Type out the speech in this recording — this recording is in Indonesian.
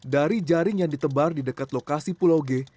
dari jaring yang ditebar di dekat lokasi pulau g